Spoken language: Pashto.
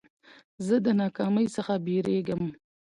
زه د ناکامۍ څخه بېرېږم.